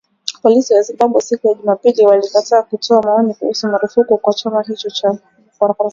Polisi wa Zimbabwe, siku ya Jumapili walikataa kutoa maoni kuhusu marufuku kwa chama hicho huko Marondera